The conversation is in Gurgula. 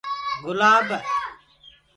گُلاب هيڊ ڦون لگآڪي گآنآ سُڻدو ريهندوئي